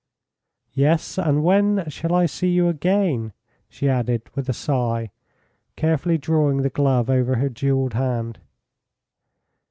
"Yes, and when shall I see you again?" she added, with a sigh, carefully drawing the glove over her jewelled hand.